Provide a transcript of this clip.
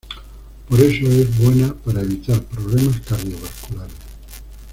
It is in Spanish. Por eso es buena para evitar problemas cardiovasculares.